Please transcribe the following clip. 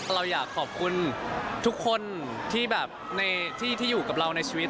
เราอยากขอบคุณทุกคนที่แบบที่อยู่กับเราในชีวิต